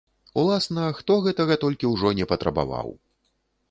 Уласна, хто гэтага толькі ўжо не патрабаваў.